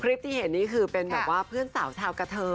คลิปที่เห็นนี่เป็นเพื่อนสาวชาวกระเทิม